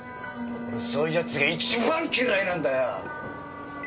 そういう奴が一番嫌いなんだよ！